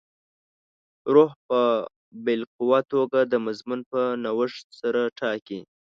روح په باالقوه توګه د مضمون په نوښت سره ټاکي.